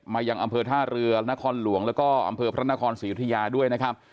ยังอำเภอท่าเรือนครหลวงแล้วก็อำเภอพระนครศรีอุทยาด้วยนะครับ